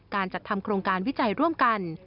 จัดทำโครงการวิจัยร่วมกัน